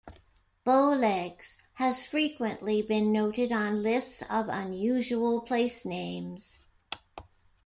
Bowlegs has frequently been noted on lists of unusual place names.